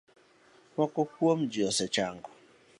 Moko kuom ji osechango.